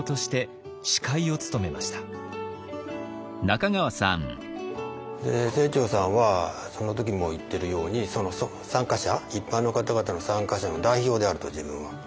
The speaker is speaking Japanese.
６８歳の清張はそこで清張さんはその時も言ってるようにその参加者一般の方々の参加者の代表であると自分は。